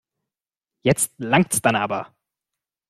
Jetzt langts dann aber.